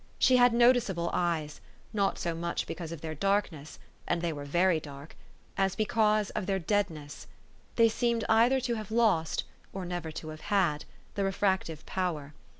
She had noticeable eyes ; not so much because of their darkness, and they were very dark, as because of their deadness. They seemed either to have lost, or never to have had, the refractive power.